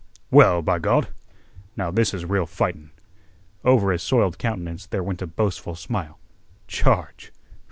Well, b'Gawd! Now, this is real fightin'." Over his soiled countenance there went a boastful smile. "Charge?